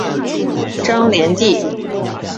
张联第。